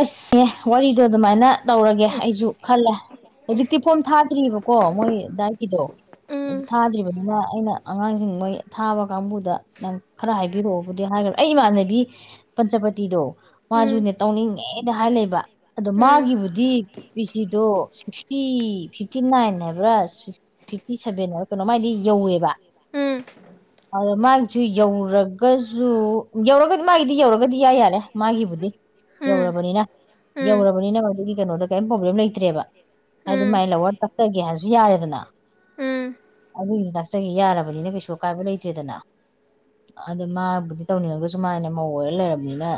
ꯑꯁꯅꯦꯦ ꯋꯥꯔꯤꯗꯣ ꯑꯗꯨꯃꯥꯏꯅ ꯇꯧꯔꯒꯦ ꯑꯩꯁꯨ ꯈꯜꯂꯦ ꯍꯧꯖꯤꯛꯇꯤ ꯐꯣꯝ ꯊꯥꯗ꯭ꯔꯤꯕꯀꯣ ꯃꯣꯏ ꯗꯥꯏꯀꯤꯗꯣ ꯎꯝ ꯎꯝ ꯎꯝ ꯎꯝ ꯎꯝ ꯎꯝ ꯑꯗꯨ ꯊꯥꯗ꯭ꯔꯤꯕꯅꯤꯅ ꯑꯩꯅ ꯑꯉꯥꯡꯁꯤꯡ ꯃꯣꯏ ꯊꯥꯕ ꯀꯥꯡꯕꯨꯗ ꯅꯪ ꯈꯔ ꯍꯥꯏꯕꯤꯔꯛꯑꯣꯕꯨꯗꯤ ꯍꯥꯏꯈ꯭ꯔ ꯑꯩ ꯏꯃꯥꯟꯅꯕꯤ ꯄꯟꯆꯄꯇꯤꯗꯣ ꯃꯥꯁꯨꯨꯅꯦ ꯇꯧꯅꯤꯡꯉꯤ ꯍꯅ ꯍꯥꯏ ꯂꯩꯕ ꯑꯗꯣ ꯃꯥꯒꯤꯕꯨꯗꯤ ꯑꯗꯣ ꯁꯤꯛꯁꯇꯤ ꯐꯤꯐꯇꯤ ꯅꯥꯏꯟ ꯍꯥꯏꯕ꯭ꯔꯥ ꯐꯤꯞꯇꯤ ꯁꯚꯦꯟ ꯍꯥꯏꯕ꯭ꯔꯥ ꯀꯩꯅꯣ ꯃꯥꯥꯏꯗꯤ ꯌꯧꯋꯦꯕ ꯑꯗꯣ ꯃꯥꯒꯤꯁꯨ ꯌꯧꯔꯒꯁꯨ ꯌꯧꯔꯒꯗꯤ ꯃꯥꯒꯤꯗꯤ ꯌꯧꯔꯒꯗꯤ ꯌꯥ ꯌꯥꯔꯦ ꯃꯥꯒꯤꯕꯨꯗꯤ ꯌꯧꯔꯕꯅꯤꯅ ꯌꯧꯔꯕꯅꯤꯅ ꯃꯗꯨꯒꯤ ꯀꯩꯅꯣꯗ ꯀꯔꯤꯝ ꯄ꯭ꯔꯣꯕ꯭ꯂꯦꯝ ꯂꯩꯇ꯭ꯔꯦꯕ ꯍꯥꯏꯗꯤ ꯎꯝ ꯃꯥꯏ ꯂꯋꯥꯔ ꯇꯥꯛꯆꯒꯦ ꯍꯥꯏꯅꯁꯨ ꯌꯥꯔꯦꯗꯅ ꯎꯝ ꯑꯗꯨꯒꯤꯁꯨ ꯇꯥꯛꯆꯒꯦ ꯌꯥꯔꯕꯅꯤꯅ ꯀꯩꯁꯨ ꯑꯀꯥꯏꯕ ꯂꯩꯇ꯭ꯔꯦꯗꯅ ꯑꯗꯨ ꯃꯥꯕꯨꯗꯤ ꯇꯧꯅꯤꯡꯉꯒꯁꯨ ꯃꯥꯥꯏꯅ ꯃꯧ ꯑꯣꯏꯔ ꯂꯩꯔꯕꯅꯤꯅ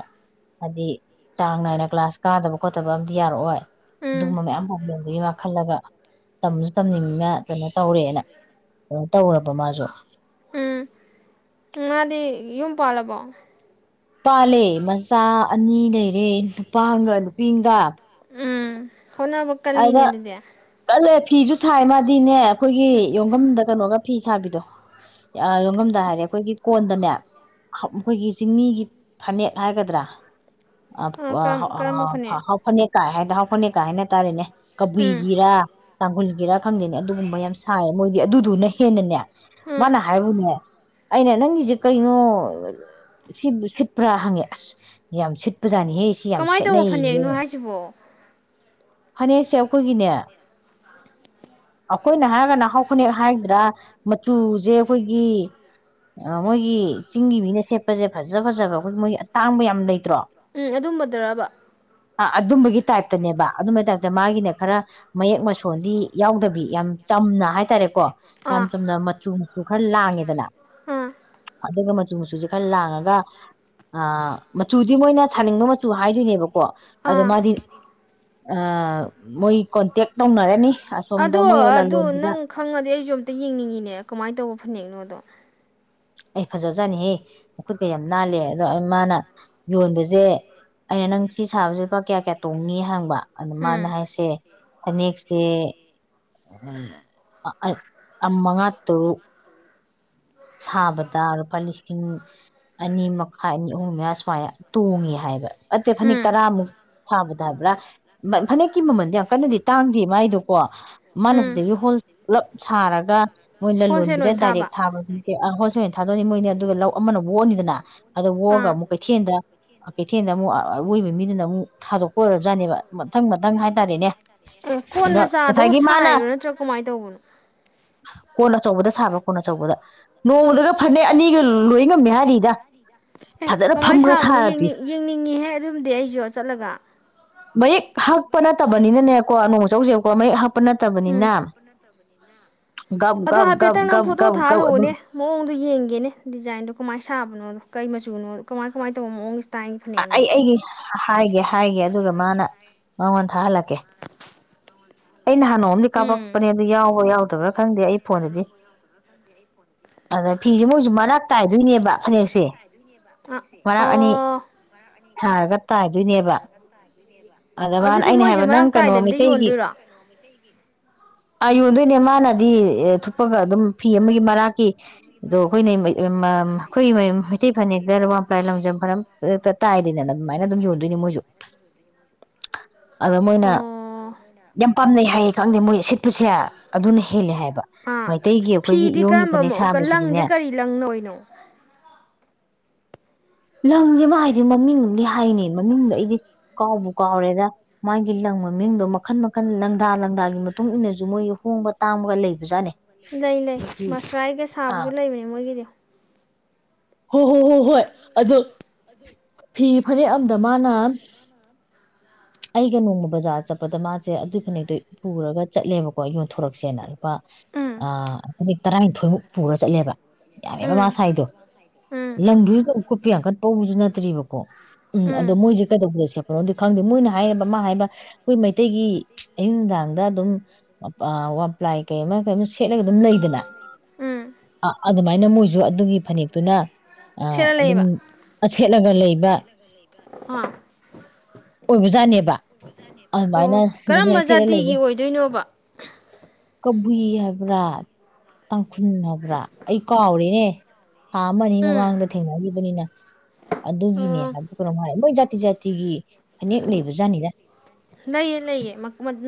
ꯍꯥꯏꯗꯤ ꯆꯥꯡꯅꯥꯏꯅ ꯀ꯭ꯂꯥꯁ ꯀꯥꯗꯕ ꯈꯣꯠꯇꯕ ꯑꯃꯗꯤꯝ ꯌꯥꯔꯛꯑꯣꯏ ꯎꯝ ꯑꯗꯨꯒꯨꯝꯕ ꯃꯌꯥꯝ ꯄꯥꯝꯂꯦꯝꯕꯒꯤ ꯃꯥ ꯈꯜꯂꯒ ꯇꯝꯁꯨ ꯇꯝꯅꯤꯡꯅ ꯀꯩꯅꯣ ꯇꯧꯔꯦꯅ ꯀꯩꯅꯣ ꯇꯧꯔꯕ ꯃꯥꯁꯨ ꯎ ꯉꯥꯗꯤ ꯌꯨꯝ ꯄꯥꯜꯂꯕꯣ ꯄꯥꯜꯂꯦ ꯃꯆꯥ ꯑꯅꯤ ꯂꯩꯔꯦ ꯅꯨꯄꯥꯒ ꯅꯨꯄꯤꯒ ꯎꯝ ꯍꯣꯠꯅꯕ ꯀꯜꯂꯤꯅꯦ ꯑꯗꯨꯗꯤ ꯀꯜꯂꯦ ꯐꯤꯁꯨ ꯁꯥꯏ ꯃꯥꯗꯤꯅꯦ ꯑꯩꯈꯣꯏꯒꯤ ꯌꯣꯡꯐꯝꯝꯗ ꯀꯩꯅꯣꯒ ꯐꯤ ꯁꯥꯕꯤꯗꯣ ꯌꯣꯟꯉꯝꯗ ꯍꯥꯏꯔꯦ ꯑꯩꯈꯣꯏꯒꯤ ꯀꯣꯟꯗꯅꯦ ꯑꯩꯈꯣꯏꯒꯤ ꯆꯤꯡꯃꯤꯒꯤ ꯐꯅꯦꯛ ꯍꯥꯏꯒꯗ꯭ꯔꯥ ꯑꯥ ꯀꯔꯝ ꯀꯔꯝꯕ ꯐꯅꯦꯛ [unintelligible] ꯍꯥꯎ ꯐꯅꯛꯀ ꯍꯥꯏꯗꫭ ꯍꯥꯎ ꯐꯅꯦꯛ ꯀꯥ ꯍꯥꯏꯅ ꯇꯔꯦꯅꯦ ꯎꯝ ꯀꯕꯨꯏꯒꯤꯔꯥ ꯇꯥꯡꯈꯨꯜꯒꯤꯔꯥ ꯈꯪꯗꯦꯅꯦ ꯑꯗꯨꯒꯨꯝꯕ ꯌꯥꯝ ꯁꯥꯏ ꯃꯣꯏꯗꯤ ꯑꯗꯨꯗꯨꯅ ꯍꯦꯟꯅꯅꯦ ꯎꯝ ꯃꯥꯅ ꯍꯥꯏꯕꯨꯅꯦ ꯑꯩꯅ ꯅꯪꯒꯤꯁꯦ ꯀꯩꯅꯣ ꯁꯤꯕꯨ ꯁꯤꯠꯄ꯭ꯔꯥ ꯍꯪꯉꯦ ꯑꯁ ꯌꯥꯝ ꯁꯤꯠꯄꯖꯥꯠꯅꯤꯍꯦ ꯁꯤ ꯌꯥꯝ ꯀꯃꯥꯏꯅ ꯇꯧꯕ ꯁꯦꯠꯅꯩꯌꯦ ꯐꯅꯦꯛꯅꯣ ꯍꯥꯏꯁꯤꯕꯣ ꯐꯅꯦꯛꯁꯦ ꯑꯩꯈꯣꯏꯒꯤꯅꯦ ꯑꯩꯈꯣꯏꯅ ꯍꯥꯏꯔꯒꯅ ꯍꯥꯎ ꯐꯅꯦꯛ ꯍꯥꯏꯒꯗ꯭ꯔꯥ ꯃꯆꯨꯁꯦ ꯑꯩꯈꯣꯏꯒꯤ ꯃꯣꯏꯒꯤ ꯆꯤꯡꯒꯤ ꯃꯤꯅ ꯁꯦꯠꯄꯁꯦ ꯐꯖ ꯐꯖꯕ ꯑꯩꯈꯣꯏ ꯃꯣꯏ ꯑꯇꯥꯡꯕ ꯌꯥꯝ ꯂꯩꯇ꯭ꯔꯣ ꯎꯝ ꯑꯗꯨꯝꯕꯗꯔꯕ ꯑ ꯑꯗꯨꯝꯕꯒꯤ ꯇꯥꯏꯞꯇꯅꯦꯕ ꯑꯗꯨꯝꯕꯒꯤ ꯇꯥꯏꯞ ꯑꯗ ꯃꯥꯒꯤꯅ ꯈꯔ ꯃꯌꯦꯛ ꯃꯁꯣꯟꯗꯤ ꯌꯥꯎꯗꯕꯤ ꯌꯥꯝ ꯆꯝꯅ ꯍꯥꯏꯇꯥꯔꯦꯀꯣ ꯑꯥ ꯌꯥꯝ ꯆꯝꯅ ꯃꯆꯨ ꯃꯆꯨ ꯈꯔ ꯂꯥꯡꯉꯦꯗꯅ ꯑꯥ ꯑꯗꯨꯒ ꯃꯆꯨ ꯃꯆꯨꯁꯦ ꯈꯔ ꯂꯥꯡꯉꯒ ꯑ ꯃꯆꯨꯗꯤ ꯃꯣꯏꯅ ꯁꯥꯅꯤꯡꯕ ꯃꯆꯨ ꯍꯥꯏꯗꯣꯏꯅꯦꯕꯀꯣ ꯑꯗꫭ ꯑꯥ ꯃꯥꯗꯤ ꯑ ꯃꯣꯏ ꯀꯣꯟꯇꯦꯛ ꯇꯧꯅꯔꯅꯤ ꯑꯁꯣꯝꯗ ꯑꯗꯣ ꯃꯣꯏ ꯑꯗꯨ ꯂꯂꯣꯟꯕꯤꯗ ꯅꯪ ꯈꯪꯉꯗꯤ ꯑꯩꯁꯨ ꯑꯝꯇ ꯌꯦꯡꯅꯤꯡꯉꯤꯅꯦ ꯀꯃꯥꯏꯅ ꯇꯧꯕ ꯐꯅꯦꯛꯅꯣꯗꯣ ꯑꯩ ꯐꯖꯕꯖꯥꯅꯤꯍꯦ ꯃꯈꯨꯠꯀ ꯌꯥꯝ ꯅꯥꯜꯂꯦ ꯑꯗꯣ ꯃꯥꯅ ꯌꯣꯟꯕꯁꯦ ꯑꯩꯅ ꯅꯪ ꯁꯤ ꯁꯥꯕꯁꯦ ꯂꯨꯄꯥ ꯀꯌꯥ ꯀꯌꯥ ꯇꯣꯡꯅꯤ ꯍꯪꯕ ꯑꯗ ꯃꯥꯅ ꯎꯝ ꯍꯥꯏꯁꯦ ꯐꯅꯦꯛꯁꯦ ꯑ ꯃꯉꯥ ꯇꯔꯨꯛ ꯁꯥꯕꯗ ꯂꯨꯄꯥ ꯂꯤꯁꯤꯡ ꯑꯅꯤ ꯃꯈꯥꯏ ꯑꯅꯤ ꯑꯍꯨꯝ ꯃꯌꯥ ꯁꯨꯃꯥꯏ ꯇꯣꯡꯉꯦ ꯍꯥꯏꯕ ꯑꯠꯇꯦ ꯐꯅꯦꯛ ꯇꯔꯥꯃꯨꯛ ꯁꯥꯕꯗ ꯍꯥꯏꯕ꯭ꯔꯥ ꯐꯅꯦꯛꯀꯤ ꯃꯃꯟꯗꯤ ꯌꯥꯝ ꯀꯟꯅꯗꯤ ꯇꯥꯡꯗꯦ ꯃꯥꯏꯗꯣꯀꯣ ꯃꯥꯅ ꯎꯝ ꯁꯤꯗꯒꯤ ꯍꯣꯜ ꯄꯨꯂꯞ ꯁꯥꯔꯒ ꯃꯣꯏ ꯍꯣꯜꯁꯦꯜ ꯂꯂꯣꯟꯕꯤꯗ ꯑꯣꯏꯅ ꯗꯥꯏꯔꯦꯛ ꯊꯥꯕ ꯊꯥꯕꯒꯤ ꯍꫭꯜꯁꯦꯟ ꯊꯥꯗꯣꯛꯅꯤ ꯃꯣꯏꯅꯤ ꯑꯗꯨꯒ ꯂꯧ ꯑꯃꯅ ꯋꫭꯛꯑꯅꯤꯗꯅ ꯑꯗꯣ ꯑꯣꯑꯒ ꯑꯥ ꯑꯃꯨꯛ ꯀꯩꯊꯦꯟꯗ ꯀꯩꯊꯦꯟꯗ ꯑꯃꯨꯛ ꯑꯋꯣꯏꯕ ꯃꯤꯗꯨꯅ ꯑꯃꯨꯛ ꯊꯥꯗꯣꯛꯄ ꯑꯣꯏꯔꯕꯖꯥꯠꯅꯦꯕ ꯃꯊꯪ ꯃꯊꯪ ꯍꯥꯏꯇꯥꯔꯦꯅꯦ ꯑꯦ ꯀꯣꯟ ꯑꯗꯣ ꯃꯆꯥꯗꯣ ꯉꯁꯥꯏꯒꯤ ꯃꯥꯅ ꯁꯥꯏꯔꯣ ꯅꯠꯇ꯭ꯔꯥ ꯀꯃꯥꯏꯅ ꯇꯧꯕꯅꯣ ꯀꯣꯟ ꯑꯆꯧꯕꯗ ꯁꯥꯕ꯭ꯔꯥ ꯀꯣꯟ ꯑꯆꯧꯕꯗ ꯅꯣꯡꯃꯗꯒ ꯐꯅꯦꯛ ꯑꯅꯤꯒ ꯂꯣꯏ ꯉꯝꯃꯦ ꯍꯥꯏꯔꯤꯗ ꯑꯦ ꯐꯖꯅ ꯀꯃꯥꯏꯅ ꯐꯝꯃꯒ ꯁꯥꯕꯅꯣ ꯁꯥꯔꯗꯤ ꯌꯦꯡꯅꯤꯡ ꯌꯦꯡꯅꯤꯡꯉꯤꯍꯦ ꯑꯗꯨꯝꯗꯤ ꯑꯩꯁꯨ ꯆꯠꯂꯒ ꯃꯌꯦꯛ ꯍꯛꯄ ꯅꯠꯇꯕꯅꯤꯅꯅꯦꯀꯣ ꯅꯣꯡꯃ ꯆꯧꯁꯦꯕꯀꯣ ꯃꯌꯦꯛ ꯍꯛ ꯎꯝ ꯒꯞ ꯑꯗꯣ ꯒꯞ ꯒꯞ ꯍꯥꯏꯐꯦꯠꯇꯪ ꯅꯪ ꯒꯞ ꯐꯣꯇꯣ ꯒꯞ ꯒꯞ ꯑꯗꯨꯝ ꯊꯥꯍꯜꯂꯛꯑꯣꯅꯦ ꯃꯑꯣꯡꯗꯣ ꯌꯦꯡꯒꯦꯅꯦ ꯗꯤꯖꯥꯏꯟꯗꯣ ꯀꯃꯥꯏꯅ ꯁꯥꯕꯅꯣꯗꯣ ꯀꯩ ꯃꯆ ꯆꯨꯅꫭꯗꫭ ꯀꯃꯥꯏ ꯀꯃꯥꯏ ꯇꯧꯕ ꯃꯥꯑꫭꯡ ꯑꯩ ꯑꯩꯒꯤ ꯍꯥꯏꯒꯦ ꯍꯥꯏꯒꯦ ꯑꯗꯨ ꯑꯗꯨꯒ ꯃꯥꯅ ꯃꯥꯉꯣꯟ ꯍꯥꯜꯂꯛꯀꯦ ꯑꯩꯅ ꯍꯥꯟꯅꯣꯝꯃꯗꯤ ꯎꯝ ꯀꯥꯞꯛꯄꯅꯦ ꯑꯗꯨ ꯌꯥꯎꯕ ꯌꯥꯎ ꯇꯕ꯭ꯔꯥ ꯈꯪꯗꯦ ꯑꯩ ꯐꯣꯟꯗꯗꯤ ꯑꯗ ꯐꯤꯁꯦ ꯃꯣꯏꯁꯨ ꯃꯔꯛ ꯇꯥꯏꯗꯣꯏꯅꯦꯕ ꯐꯅꯦꯛꯁꯦ ꯑꯣ ꯊꯥꯔꯒ ꯇꯥꯏꯗꯣꯏꯅꯦꯕ ꯑꯗ ꯃꯥꯅ ꯑꯗꯨꯗꯤ ꯑꯩꯅ ꯃꯣꯏꯁꯦ ꯍꯥꯏꯕ ꯅꯪ ꯃꯔꯛ ꯀꯩꯅꯣ ꯇꯥꯏꯗꯕꯤꯗ ꯃꯤꯇꯩꯒꯤ ꯌꯣꯟꯗꯣꯏꯔꯣ ꯑꯥ ꯌꯣꯟꯗꯣꯏꯅꯦ ꯃꯥꯅꯗꯤ ꯊꯨꯞꯄꯒ ꯑꯗꯨꯝ ꯐꯤ ꯑꯃꯒꯤ ꯃꯔꯥꯛꯀꯤ ꯑꯗꯣ ꯑꯩꯈꯣꯏꯅ ꯑꯩꯈꯣꯏꯒꯤ ꯃꯩꯇꯩ ꯐꯅꯦꯛꯇꯋꯥꯝꯄ꯭ꯔꯥꯏ ꯂꯝꯖꯝ ꯐꯝꯛꯇ ꯇꯥꯏꯗꯗꯅ ꯑꯗꯨꯃꯥꯏꯅ ꯑꯗꯨꯝ ꯌꯣꯟꯗꯣꯏꯅꯦ ꯃꯣꯏꯁꯨ ꯑꯗꯣ ꯃꯣꯏꯅ ꯑꯣ ꯌꯥꯝ ꯄꯥꯝꯅꯩ ꯍꯥꯏꯌꯦ ꯈꯪꯗꯦ ꯃꯣꯏ ꯁꯤꯠꯄꯁꯦ ꯑꯗꯨꯅ ꯍꯦꯜꯂꯦ ꯍꯥꯏꯕ ꯑꯥ ꯃꯩꯇꯩꯒꯤ ꯑꯩꯈꯣꯏꯒꯤ ꯐꯤꯗꯤ ꯏꯌꯣꯡꯒꯤ ꯀꯔꯝꯕ ꯐꯅꯦꯛ ꯃꯑꯣꯀ ꯂꯪꯁꯦ ꯁꯥꯕꯁꯤꯗꯤꯅꯦ ꯀꯔꯤ ꯂꯪꯅꯣꯅꯣ ꯂꯪꯁꯤꯃ ꯍꯥꯏꯗꯤ ꯃꯃꯤꯡꯗꯤ ꯍꯥꯏꯅꯤ ꯃꯃꯤꯡꯗꯣ ꯑꯩꯗꯤ ꯀꯥꯎꯕꯨ ꯀꯥꯎꯔꯦꯗ ꯃꯥꯒꯤ ꯂꯪ ꯃꯃꯤꯡꯗꯣ ꯃꯈꯜ ꯃꯈꯜ ꯋꯥꯈꯜ ꯂꯪꯗꯥ ꯂꯪꯗꯥꯒꯤ ꯃꯇꯨꯡ ꯏꯟꯅꯁꯨ ꯃꯣꯏꯒꯤ ꯍꯣꯡꯕ ꯇꯥꯡꯃꯒ ꯂꯩꯕꯖꯥꯠꯅꯦ ꯂꯩ ꯂꯩ ꯃꯁꯔꯥꯏꯒ ꯑꯥ ꯁꯥꯕꯁꯨ ꯂꯩꯕꯅꯦ ꯃꯣꯏꯒꯤꯗꯤ ꯍꯣ ꯍꯣ ꯍꯣꯏ ꯍꯣꯏ ꯑꯣ ꯐꯤ ꯐꯔꯦꯛ ꯑꯝꯗ ꯃꯥꯅ ꯑꯩꯒ ꯅꯣꯡꯃ ꯕꯖꯥꯔ ꯆꯠꯄꯗ ꯃꯥ ꯁꯦ ꯑꯗꯨ ꯐꯅꯛꯇꯣ ꯄꯨꯔꯒ ꯆꯠꯂꯦꯕꯀꯣ ꯑꯩ ꯌꯣꯟꯊꯣꯔꯛꯁꯦꯅꯣ ꯎꯝ ꯑ ꯇꯔꯥꯡꯊ ꯑꯩꯈꯣꯏꯃꯨꯛ ꯄꯨꯔ ꯆꯠꯂꯦꯕ ꯌꯥꯝꯃꯦ ꯃꯃꯥ ꯎꯝ ꯁꯥꯏꯗꯣ ꯎꯝ ꯂꯝꯪꯒꯤꯁꯨ ꯀꯨꯞꯄ ꯌꯥꯡꯀꯠꯄꯧꯕꯁꯨ ꯅꯠꯇ꯭ꯔꯤꯕꯀꯣ ꯎꯝ ꯑꯗꯣ ꯃꯣꯏꯁꯦ ꯀꯩꯗꯧꯕꯗ ꯁꯦꯠꯄꯅꯣꯗꯤ ꯈꯪꯗꯦ ꯃꯣꯏꯅ ꯍꯥꯏꯔꯕ ꯃꯥ ꯍꯥꯏꯕ ꯑꯩꯈꯣꯏ ꯃꯩꯇꯩꯒꯤ ꯑꯌꯨꯛ ꯅꯨꯡꯗꯥꯡꯗ ꯑꯗꯨꯝ ꯋꯥꯄ꯭ꯂꯥꯏ ꯀꯩ ꯑꯃ ꯀꯩ ꯁꯦꯠꯂꯒ ꯑꯗꯨꯝ ꯂꯩꯗꯅ ꯎꯝ ꯑ ꯑꯗꯨꯃꯥꯏꯅ ꯃꯣꯏꯁꯨ ꯑꯗꯨꯒꯤ ꯐꯅꯦꯛꯇꯨꯅ ꯁꯦꯠꯂ ꯑꯗꯨꯝ ꯁꯦꯠꯂꯒ ꯂꯩꯕ ꯍꯥꯥ ꯑꯣꯏꯕꯖꯥꯠꯅꯦꯕ ꯑꯣ ꯑꯗꯨꯃꯥꯏꯅ ꯑꯗꯨꯅ ꯀꯔꯝꯕ ꯁꯦꯠꯂ ꯂꯩꯕ ꯖꯥꯇꯤꯒꯤ ꯑꯣꯏꯗꯣꯏꯅꯣꯕ ꯀꯕꯨꯏ ꯍꯥꯏꯕ꯭ꯔꯥ ꯇꯥꯡꯈꯨꯜ ꯍꯥꯏꯕ꯭ꯔꯥ ꯑꯩ ꯀꯥꯎꯔꯤꯦꯅꯦ ꯊꯥ ꯑꯅꯤ ꯎꯝ ꯃꯃꯥꯡꯗ ꯊꯦꯡꯅꯈꯤꯕꯅꯤꯅ ꯑꯗꯨꯒꯤꯅꯦ ꯑꯣ ꯍꯥꯏꯕ ꯀꯩꯅꯣꯉꯥꯏ ꯃꯣꯏ ꯖꯥꯇꯤ ꯖꯥꯇꯤꯒꯤ ꯐꯅꯦꯛ ꯂꯩꯕ ꯖꯥꯠꯅꯤꯗ ꯂꯩꯑ ꯂꯩꯑ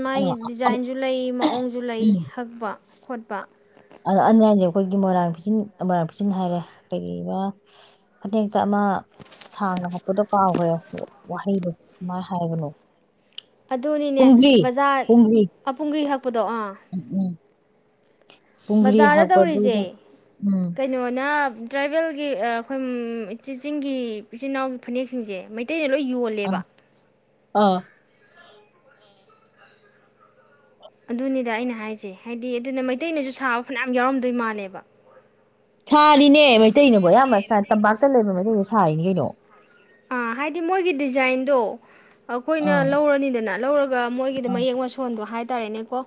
ꯃꯥꯒꯤ ꯗꯤꯖꯥꯏꯟꯁꯨ ꯂꯩ ꯃꯑꯣꯡꯁꯨ ꯂꯩ ꯍꯛꯄ ꯈꯣꯠꯄ ꯑꯗꯣ ꯑꯅꯤ ꯑꯟꯁꯦ ꯑꯩꯈꯣꯏꯒꯤ ꯃꯣꯏꯔꯥꯡ ꯐꯤꯆꯤꯟ ꯃꯣꯏꯔꯥꯡ ꯐꯤꯆꯤꯟ ꯍꯥꯏꯔꯦ ꯀ ꯐꯅꯦꯛꯇ ꯑꯃ ꯁꯥꯡꯅ ꯍꯥꯠꯄꯗꯣ ꯀꯥꯎꯈ꯭ꯔꯦ ꯋꯥꯍꯩꯗꯣ ꯁꯃꯥꯏꯅ ꯍꯥꯏꯕꯅꯣ ꯑꯗꯨꯅꯤꯅꯦ ꯄꯨꯡꯒ꯭ꯔꯤ ꯕꯖꯥꯔ ꯄꯨꯡꯒ꯭ꯔꯤ ꯑꯄꯨꯡꯒ꯭ꯔꯤ ꯍꯛꯄꯗꯣ ꯑꯥ ꯎꯝ ꯎꯝ ꯄꯨꯡꯒ꯭ꯔꯤ ꯕꯖꯥꯔꯗ ꯇꯧꯔꯤꯁꯦ ꯍꯥꯞꯄꯗꯨꯗ ꯎꯝ ꯀꯩꯅꯣꯅ ꯇ꯭ꯔꯥꯏꯕꯦꯜꯒꯤ ꯑꯩꯈꯣꯏ ꯏꯆꯤꯆꯁꯤꯡꯒꯤꯒꯤ ꯏꯆꯤꯜ ꯏꯅꯥꯎꯒꯤ ꯐꯅꯦꯛꯁꯤꯡꯁꯦ ꯃꯩꯇꯩꯗ ꯂꯣꯏ ꯌꯣꯜꯂꯦꯕ ꯑꯥ ꯑꯥ ꯑꯗꯨꯅꯤꯗ ꯑꯩꯅ ꯍꯥꯏꯁꯦ ꯍꯥꯏꯗꯤ ꯑꯗꯨꯅ ꯃꯩꯇꯩꯅꯁꯨ ꯁꯥꯕ ꯐꯅꯌꯥꯝ ꯌꯥꯎꯔꯝꯗꯣꯏ ꯃꯥꯜꯂꯦꯕ ꯁꯥꯔꯤꯅꯦ ꯃꯩꯇꯩꯅꯕꯣ ꯑꯌꯥꯝꯕ ꯇꯝꯄꯥꯛꯇ ꯂꯩꯕ ꯃꯩꯇꯩꯗꯣ ꯁꯥꯔꯤꯅꯤ ꯀꯩꯅꯣ ꯑꯥ ꯍꯥꯏꯗꯤ ꯃꯣꯏꯒꯤ ꯗꯤꯖꯥꯏꯟꯗꯣ ꯑꯩꯈꯣꯏꯅ ꯑꯥ ꯂꯧꯔꯅꯤꯗꯅ ꯂꯧꯔꯒ ꯃꯣꯏꯒꯤꯗ ꯑꯥ ꯃꯌꯦꯛ ꯃꯁꯣꯟꯗꯣ ꯍꯥꯏ ꯍꯥꯏꯇꯥꯥꯔꯦꯅꯦ ꯀꯣ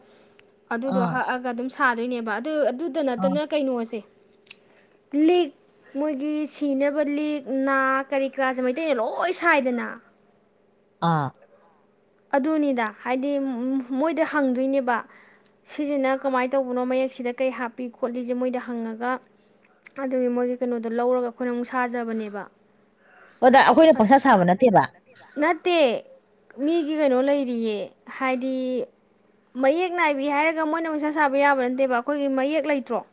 ꯑꯗꯨꯗꯣ ꯑꯥ ꯍꯛꯑꯒ ꯑꯗꯨꯝ ꯊꯥꯗꯣꯏꯅꯦꯕ ꯑꯗꯨ ꯑꯗꯨꯗ ꯑꯥ ꯅꯠꯇꯅ ꯀꯩꯅꯣꯁꯦ ꯂꯤꯛ ꯃꯣꯏꯒꯤ ꯁꯤꯅꯕ ꯂꯤꯛ ꯅꯥ ꯀꯔꯤ ꯀꯀꯔꯥꯁꯦ ꯃꯩꯇꯩꯅ ꯂꯣꯏ ꯁꯥꯏꯗꯅ ꯑꯥ ꯑꯗꯨꯅꯤꯗ ꯍꯥꯏꯗꯤ ꯃꯣꯏꯗ ꯍꯪꯗꯣꯏꯅꯦꯕ ꯁꯤꯁꯤꯅ ꯀꯃꯥꯏꯅ ꯇꯧꯕꯅꯣ ꯃꯌꯦꯛꯁꯤꯗ ꯀꯩ ꯍꯥꯞꯄꯤ ꯈꯣꯠꯂꯤꯁꯦ ꯃꯣꯏꯗ ꯍꯪꯉꯒ ꯑꯗꯨꯒꯤ ꯃꯣꯏꯒꯤ ꯀꯩꯅꯣꯗꯣ ꯂꯧꯔꯒ ꯑꯩꯈꯣꯏꯅ ꯑꯃꯨꯛ ꯁꯥꯖꯕꯅꯦꯕ ꯑꯣꯗ ꯑꯩꯈꯣꯏꯅ ꯄꯪꯁꯥ ꯁꯥꯕ ꯅꯠꯇꯦꯕ ꯅꯠꯇꯦ ꯃꯤꯒꯤ ꯀꯩꯅꯣ ꯂꯩꯔꯤꯌꯦ ꯍꯥꯏꯗꯤ ꯃꯌꯦꯛ ꯅꯥꯏꯕꯤ ꯍꯥꯏꯔꯒ ꯃꯣꯏꯅ ꯃꯩꯁꯥ ꯁꯥꯕ ꯌꯥꯕ ꯅꯠꯇꯦꯕ ꯑꯩꯈꯣꯏꯒꯤ ꯃꯌꯦꯛ ꯂꯩꯇ꯭ꯔꯣ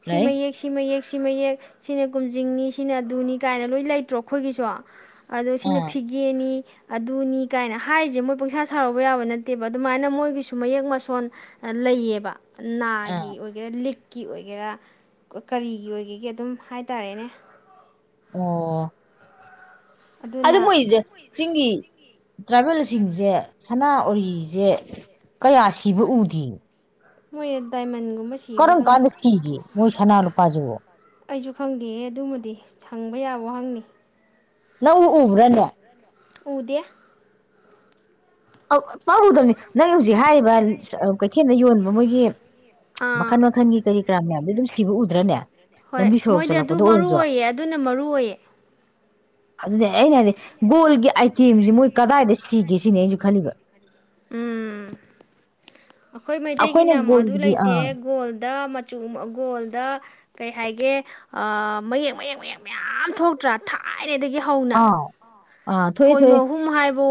ꯁꯤ ꯂꯩ ꯃꯩꯌꯦꯛ ꯁꯤ ꯃꯩꯌꯦꯛ ꯁꯤ ꯃꯌꯦꯛ ꯁꯤꯅ ꯀꯨꯝꯖꯤꯡꯅꯤ ꯁꯤꯅ ꯑꯗꯨꯅꯤ ꯀꯥꯏꯅ ꯂꯣꯏ ꯂꯩꯇ꯭ꯔꯣ ꯑꯩꯈꯣꯏꯒꯤꯁꯨ ꯑꯗꯣ ꯁꯤꯅ ꯑꯥ ꯐꯤꯒꯦꯅꯤ ꯑꯙꯅꯤ ꯀꯥꯏꯅ ꯍꯥꯏꯔꯤꯁꯦ ꯃꯣꯏ ꯄꯪꯁꯥ ꯁꯥꯔꯧꯕ ꯌꯥꯕ ꯅꯠꯇꯦꯕ ꯑꯗꯨꯃꯥꯏꯅ ꯃꯣꯏꯒꯤꯁꯨ ꯃꯌꯦꯛ ꯃꯁꯣꯟ ꯂꯩꯌꯦꯕ ꯅꯥꯒꯤ ꯑꯥ ꯑꯣꯏꯒꯦꯔ ꯂꯤꯛ ꯀꯤ ꯑꯣꯏꯒꯦꯔꯥ ꯀꯔꯤꯒꯤ ꯑꯣꯏꯒꯦꯒ ꯑꯗꯨꯝ ꯍꯥꯏ ꯇꯔꯦꯅꯦ ꯑꯣ ꯑꯗ ꯑꯗꯨꯅ ꯃꯣꯏꯖ ꯆꯒꯤꯤ ꯇ꯭ꯔꯥꯏꯕꯦꯜꯁꯤꯡꯁꯦ ꯁꯅꯥ ꯎꯔꯤꯁꯦ ꯀꯌꯥ ꯁꯤꯕ ꯎꯗ꯭ꯔꯤ ꯃꯣꯏ ꯌꯦꯗꯥꯏ ꯃ ꯀꯔꯣꯡ ꯀꯥꯟꯀꯤꯒꯤ ꯃꯣꯏ ꯁꯅꯥꯔ ꯄꯖꯉ ꯑꯩꯁꯨ ꯈꯪꯗꯦꯌꯦ ꯑꯗꯨꯃꯗꯤ ꯁꯪꯕ ꯌꯥꯕ ꯋꯥꯍꯪꯅꯤ ꯅ ꯎꯕ꯭ꯔꯥꯅꯦ ꯎꯗꯦ ꯑ ꯄꯥꯎꯒꯗꯕꯅꯤ ꯅꯪ ꯍꯧꯖꯤꯛ ꯍꯥꯏꯔꯤꯕ ꯀꯩꯊꯦꯜꯗ ꯌꯣꯟꯕ ꯃꯣꯏꯒꯤ ꯑꯥ ꯃꯈꯟ ꯃꯈꯟꯒꯤ ꯀꯔꯤ ꯭ꯔꯥꯝꯌꯥꯝꯗ ꯗꯨꯁꯇꯤꯕꯨ ꯎꯗ꯭ꯔꯅꯦ ꯍꯣꯏ ꯂꯝꯕꯤ ꯁꯣꯔꯣꯛ ꯃꯣꯏꯗꯤ ꯑꯗꯨ ꯆꯠꯂꯛꯄꯗ ꯃꯔꯨ ꯑꯣꯏꯔꯁꯨ ꯑꯣꯏꯌꯦ ꯑꯗꯨꯅ ꯃꯔꯨ ꯑꯣꯏꯌꯦ ꯑꯗꯨꯗꯤ ꯑꯩꯅ ꯍꯥꯏꯗꯤ ꯒꯣꯜꯒꯤ ꯑꯥꯏꯇꯦꯝꯁꯤꯦ ꯃꯣꯏ ꯀꯗꯥꯏꯗ ꯁꯤꯒꯦ ꯁꯤꯅꯦꯁꯨ ꯈꯜꯂꯤꯕ ꯎꯝ ꯑꯩꯈꯣꯏ ꯑꯩꯈꯣꯏꯅ ꯃꯩꯇꯩꯒꯤꯅ ꯑꯃꯨꯛ ꯑꯗꯨ ꯒꯣꯜꯒꯤꯗꯤ ꯂꯩꯇꯦ ꯑꯥ ꯒꯣꯜ ꯃꯆ ꯃꯪꯒꯣ ꯀꯩ ꯍꯥꯏꯦ ꯃ ꯃ ꯃ ꯊꯣꯛꯇ ꯇꯇꯩꯗꯒꯤ ꯍꯧꯅ ꯑꯥ ꯑꯥ ꯊꯣꯛꯑꯦ ꯈꯣꯏꯅ ꯊꯣꯛꯑꯦ ꯑꯍꯨꯝ ꯍꯥꯏꯕ ꯄꯣ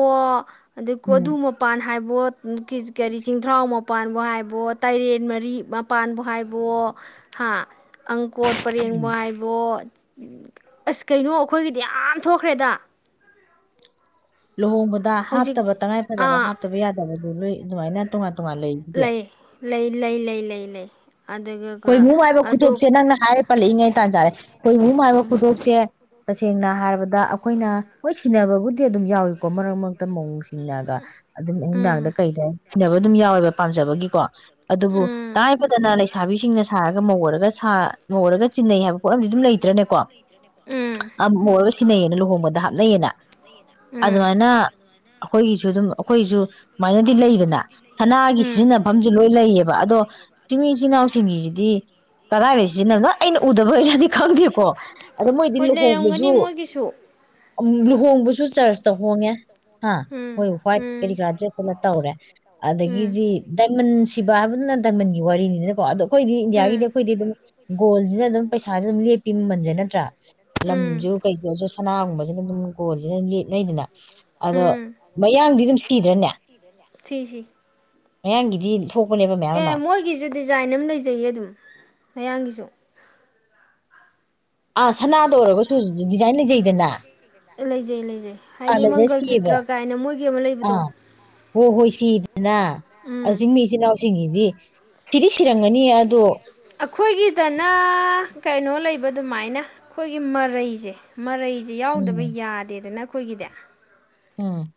ꯑꯗꯩ ꯀꯣꯗꯨ ꯎꯝ ꯃꯄꯥꯟ ꯍꯥꯏꯕ ꯃꯣꯠ ꯀꯔꯤ ꯆꯤꯡꯊ꯭ꯔꯥꯎ ꯑꯃ ꯃꯄꯕꯨ ꯍꯥꯏꯕꯣ ꯇꯥꯏꯔꯦꯟ ꯃꯔꯤ ꯃꯄꯥꯟꯕꯨ ꯍꯥꯏꯕꯣ ꯍꯥ ꯑꯪꯀꯣꯠ ꯄꯔꯦꯡ ꯃꯏꯕꯣꯠ ꯎꯝ ꯑꯁ ꯀꯩꯅꯣ ꯑꯩꯈꯣꯏꯒꯤꯗꯤ ꯌꯥꯝ ꯊꯣꯛꯈ꯭ꯔꯦꯗ ꯂꯨꯍꯣꯡꯕꯗ ꯍꯧꯖꯤꯛ ꯍꯥꯞꯇꯕ ꯇꯉꯥꯏꯐꯗꯕ ꯑꯥ ꯍꯥꯞꯇꯕ ꯌꯥꯗꯕꯗꯨ ꯂꯨꯏ ꯑꯗꯨꯃꯥꯏꯅ ꯇꯣꯉ ꯂꯩ ꯂꯩ ꯂꯩ ꯂꯩ ꯂꯩ ꯂꯩ ꯑꯗꯨ ꯍꯈꯣꯏ ꯑꯗꯨꯒ ꯃꯨ ꯍꯥꯏꯕ ꯈꯨꯗꯣꯞꯁꯦ ꯅꯪꯅ ꯍꯥꯏꯔꯦ ꯄꯜꯂꯛꯏꯉꯩꯗ ꯖꯥꯏ ꯑꯩꯈꯣꯏꯕꯨ ꯃꯥꯏꯕ ꯈꯨꯗꯣꯞꯁꯦ ꯇꯁꯦꯡꯅ ꯍꯥꯏꯔꯕꯗ ꯑꯩꯈꯣꯏꯅ ꯍꯣꯏ ꯁꯤꯟꯅꯅꯕꯕꯨꯗꯤ ꯑꯗꯨꯝ ꯌꯥꯎꯏꯀꯣ ꯃꯔꯛ ꯃꯔꯛꯇ ꯃꯑꯣꯡ ꯆꯁꯤꯡꯅꯒ ꯑꯗꯨꯝ ꯅꯨꯡꯗꯥꯡꯗ ꯎꯝ ꯀꯩꯗ ꯊꯤꯅꯕ ꯑꯗꯨꯝ ꯌꯥꯎꯋꯦꯕ ꯄꯥꯝꯖꯕꯒꯤꯀꯣ ꯑꯗꯨꯕꯨ ꯇꯥꯏꯕꯗꯅ ꯂꯩ ꯊꯥꯕꯤꯁꯤꯡꯅ ꯁꯥꯔꯒ ꯃꯧꯔꯒ ꯁꯥ ꯃꯧꯔꯒ ꯆꯤꯟꯅꯩ ꯍꯥꯏꯕ ꯄꯣꯠꯂꯝꯁꯤ ꯑꯗꯨꯝ ꯂꯩꯇ꯭ꯔꯅꯦꯀꯣ ꯎꯝ ꯎꯝ ꯑꯝ ꯍꯔ ꯁꯤꯤꯅꯩꯌꯦꯅ ꯂꯨꯍꯣꯡꯕꯗ ꯍꯥꯞꯅꯩꯌꯦꯅ ꯑꯗꯨꯗ ꯎꯝ ꯋꯥꯅ ꯑꯩꯈꯣꯏꯒꯤꯁꯨ ꯑꯗꯨꯝ ꯑꯩꯈꯣꯏꯁꯨ ꯁꯨꯃꯥꯏꯅꯗꯤ ꯂꯩꯗꯅ ꯁꯅꯥꯒꯤ ꯎꯝ ꯁꯤꯖꯤꯟꯅꯐꯝꯁꯨ ꯂꯣꯏ ꯂꯩꯌꯦꯕ ꯑꯗꯣ ꯇꯃꯤ ꯏꯁꯤꯅ ꯂꯇ꯭ꯉꯁꯤꯗꯤ ꯀꯗꯥꯏꯗ ꯁꯤꯖꯤꯟꯅꯕꯅꯣ ꯑꯩꯅ ꯎꯗꯕꯔꯗꯤ ꯈꯪꯗꯦꯀꯣ ꯑꯗ ꯃꯣꯏꯗꯤ ꯍꯣꯏ ꯂꯩꯔꯝꯒꯅꯤ ꯂꯨꯍꯣꯡꯕꯁꯨ ꯃꯣꯏꯒꯤꯁꯨ ꯭ꯂ ꯍꯣꯡꯕꯁꯨ ꯆꯔꯆꯇ ꯍꯣꯡꯉꯦ ꯍꯥ ꯎꯝ ꯍꯣꯏ ꯍ꯭ꯋꯥꯏꯠ ꯀꯔꯤ ꯎꯝ ꯀꯔꯥ ꯗ꯭ꯔꯦꯁꯇꯨꯅ ꯇꯧꯔꯦ [unintelligible] ꯎꯝ ꯑꯗꯒꯤꯗꯤ ꯗꯗꯥꯏꯃꯟꯁ ꯕ ꯍꯥꯏꯕ ꯅꯟꯗꯥꯏꯃꯟꯒꯤ ꯋꯥꯔꯤꯅꯤꯅ ꯄꯥꯗꯣꯛ ꯑꯩꯈꯣꯏꯗꯤ ꯏꯟꯗꯤꯌꯥꯒꯤꯗꯤ ꯎꯝ ꯑꯩꯈꯣꯏꯗꯤ ꯑꯗꯨꯝ ꯒꯣꯜ ꯁꯤꯅ ꯑꯗꯨꯝ ꯄꯩꯁꯥꯁꯦ ꯑꯗꯨꯝ ꯂꯦꯞꯄꯤ ꯃꯃꯜꯁꯦ ꯅꯠꯇ꯭ꯔꯥ ꯎꯝ ꯀꯩ ꯀꯣꯁ ꯁꯅꯥꯒꯨꯝꯕꯁꯤꯅ ꯑꯗꯨꯝ ꯀꯣꯟꯁꯤꯅ ꯂꯤꯠꯅꯩꯗꯅ ꯑꯗꯣ ꯎꯝ ꯃꯌꯥꯡꯗꯤ ꯑꯗꯨꯝ ꯆꯤꯗ꯭ꯔꯅꯦ ꯁꯤ ꯁꯤ ꯃꯌꯥꯡꯒꯤꯗꯤ ꯊꯣꯛꯄꯅꯦꯕ ꯃꯌꯥꯝ ꯑꯃ ꯑꯦ ꯃꯣꯏꯒꯤꯁꯨ ꯗꯤꯖꯥꯏꯟ ꯑꯃ ꯂꯩꯖꯩꯌꯦ ꯑꯗꯨꯝ ꯃꯌꯥꯡꯒꯤꯁꯨ ꯑꯥ ꯁꯅꯥꯗ ꯑꯣꯏꯔꯒꯁꯨ ꯗꯤꯖꯥꯏꯟ ꯂꯩꯖꯩꯗꯅ ꯂꯩꯖꯩ ꯂꯩꯖꯩ ꯑꯥ ꯍꯥꯏꯗꯤ ꯂꯩꯖꯩ ꯃꯪꯒꯜ ꯁꯤꯑꯕ ꯆꯨꯇ꯭ꯔ ꯀꯥꯏꯅ ꯃꯣꯏꯒꯤ ꯑꯃ ꯂꯩꯕꯗꯣ ꯍꫭ ꯍꯣꯏꯁꯤ ꯅꯥ ꯎꯝ ꯑꯁꯤꯡꯃꯤ ꯏꯆꯤꯟꯅꯥꯎ ꯁꯤꯡꯒꯤꯗꯤ ꯑꯩꯈꯣꯏꯒꯤꯗꯅ ꯀꯩꯅꯣ ꯂꯩꯕ ꯑꯗꯨꯃꯥꯏꯅ ꯑꯩꯈꯣꯏꯒꯤ ꯃꯔꯩꯁꯦ ꯃꯔꯩ ꯁꯦ ꯌꯥꯎꯗꯕ ꯎꯝ ꯌꯥꯗꯦꯗꯅ ꯑꯩꯈꯣꯏꯒꯤꯗꯤ ꯎꯝ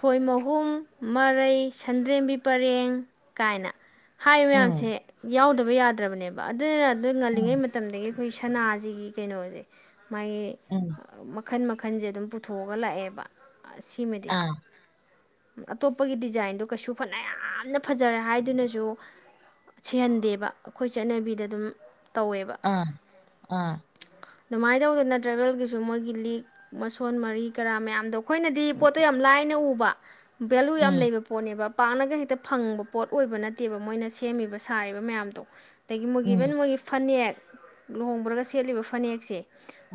ꯈꯣꯏ ꯃꯍꯨꯝ ꯃꯔꯩ ꯁꯟꯗ꯭ꯔꯦꯝꯕꯤ ꯄꯔꯦꯡ ꯀꯥꯏꯅ ꯍꯥꯏꯔꯤꯕ ꯃꯌꯥꯝꯁꯦ ꯎꯝ ꯌꯥꯎꯗꯕ ꯌꯥꯗ꯭ꯔꯕꯅꯦꯕ ꯑꯗꯨꯅ ꯑꯗꯨ ꯎꯝ ꯉꯜꯂꯤꯉꯩ ꯃꯇꯝ ꯑꯩꯈꯣꯏ ꯁꯅꯥꯁꯤꯒꯤ ꯀꯩꯅꯣꯁꯦ ꯃꯥꯥꯏ ꯎꯝ ꯃꯈꯟ ꯃꯈꯟꯁꯦ ꯑꯗꯨꯝ ꯄꯨꯊꯣꯛꯑꯒ ꯂꯥꯛꯑꯦꯕ ꯁꯤꯃꯗꯤ ꯑꯥ ꯑꯇꯣꯞꯄꯒꯤ ꯗꯤꯖꯥꯏꯟꯗꯣ ꯀꯩꯁꯨ ꯐꯅ ꯌꯥꯝꯅ ꯐꯖꯔꯦ ꯍꯥꯏꯗꯨꯅꯁꯨ ꯁꯤꯍꯟꯗꯦꯕ ꯑꯩꯈꯣꯏ ꯆꯠꯅꯕꯤꯗ ꯑꯗꯨꯝ ꯇꯧꯋꯦꯕ ꯑꯥ ꯑꯥ ꯑꯗꯨꯃꯥꯏꯅ ꯇꯧꯗꯅ ꯇ꯭ꯔꯦꯕꯦꯜꯒꯤꯁꯨ ꯃꯣꯏꯒꯤ ꯂꯤꯛ ꯃꯁꯣꯟ ꯃꯔꯤ ꯀꯔꯥ ꯃꯌꯥꯝꯗꯣ ꯑꯩꯈꯣꯏꯅꯗꯤ ꯄꯣꯠꯇꯣ ꯌꯥꯝ ꯂꯥꯏ ꯅ ꯎꯕ ꯚꯦꯂꯨ ꯌꯥꯝ ꯎꯝ ꯂꯩꯕ ꯄꯣꯠꯅꯦꯕ ꯄꯥꯛꯅꯒ ꯍꯦꯛꯇ ꯐꯪꯕ ꯄꯣꯠ ꯑꯣꯏꯕ ꯅꯠꯇꯦꯕ ꯃꯣꯏꯅ ꯁꯦꯝꯃꯤꯕ ꯁꯥꯔꯤꯕ ꯃꯌꯥꯝꯗꯣ ꯑꯗꯒꯤ ꯃꯣꯏꯒꯤ ꯏꯕꯟ ꯎꯝ ꯃꯣꯏꯒꯤ ꯐꯅꯦꯛ ꯂꯨꯍꯣꯡꯕ꯭ꯔꯒ ꯁꯦꯠꯂꯤꯕ ꯐꯅꯦꯛꯁꯦ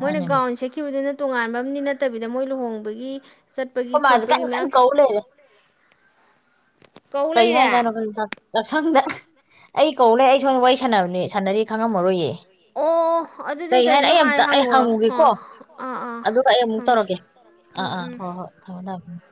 ꯃꯣꯏꯅ ꯃꯥꯅꯦ [unintelligible] ꯁꯦꯠꯈꯤꯕꯗꯤ ꯇꯣꯉꯥꯟꯕꯝꯅꯤ ꯅꯠꯇꯕꯤꯗ ꯃꯣꯏ ꯂꯨꯍꯣꯡꯕꯒꯤ ꯆꯠꯄꯒꯤ ꯈꯣꯠꯄ ꯀꯟ ꯀꯧꯂꯩꯔꯦ ꯀꯧ ꯀꯩ ꯂꯩꯔꯦ ꯍꯥꯏꯖꯥꯅꫭ ꯈꯪꯗꯦ ꯆꯛꯁꯪꯗ ꯑꯩ ꯀꯧꯂꯦ ꯑꯩ ꯁꯣꯝ ꯋꯥꯔꯤ ꯁꯥꯟꯅꯕꯅꯦ ꯁꯥꯟꯅꯔꯤ ꯈꯪꯉꯝꯃꯔꯣꯏꯌꯦ ꯑꯣ ꯑꯗꯨꯗꯤ ꯀꯩ ꯍꯥꯏꯅ ꯀꯩꯅꯣ ꯑꯩ ꯍꯥꯏ ꯑꯃꯝꯇ ꯑꯩ ꯍꯪꯉꯨꯔꯣ ꯍꯪꯉꯨꯒꯦꯀꯣ ꯑꯥ ꯑꯥ ꯑꯥ ꯑꯗꯨꯒ ꯑꯩ ꯑꯃꯨꯛ ꯊꯝꯃꯦ ꯇꯧꯔꯒꯦ ꯑꯥ ꯎꯝ ꯑꯥ ꯎꯝ ꯍꯣꯏ ꯍꯣꯏ ꯊꯝꯃꯃꯦ ꯊꯝꯃ